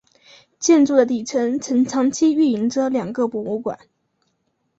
建筑的底层曾长期运营着两个博物馆。